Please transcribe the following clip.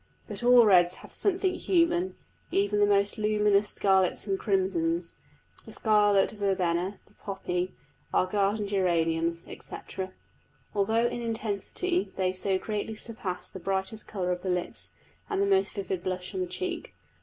But all reds have something human, even the most luminous scarlets and crimsons the scarlet verbena, the poppy, our garden geraniums, etc. although in intensity they so greatly surpass the brightest colour of the lips and the most vivid blush on the cheek.